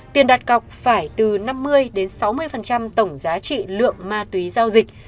tiền đặt cọc phải từ năm mươi sáu mươi tổng giá trị lượng ma túy giao dịch